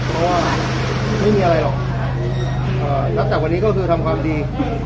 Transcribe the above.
เพราะว่าไม่มีอะไรหรอกนับจากวันนี้ก็คือทำความดี